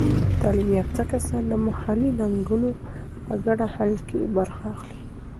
تعلیم یافته کسان د محلي ننګونو په ګډه حل کې برخه اخلي.